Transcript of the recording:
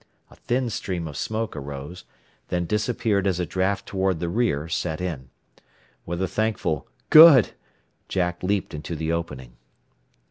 A thin stream of smoke arose, then disappeared as a draft toward the rear set in. With a thankful "Good!" Jack leaped into the opening.